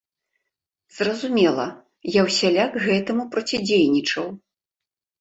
Зразумела, я ўсяляк гэтаму процідзейнічаў.